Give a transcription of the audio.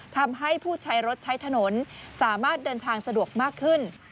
ทำให้ผู้ใช้รถใช้ถนนสามารถเดินทางสะดวกมากขึ้น